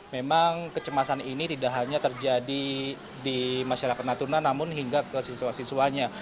memang kecemasan ini tidak hanya terjadi di masyarakat natuna namun hingga ke siswa siswanya